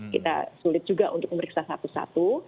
kita sulit juga untuk memeriksa satu satu